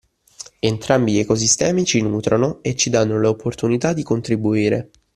Entrambi gli ecosistemi ci “nutrono” e ci danno l’opportunità di contribuire.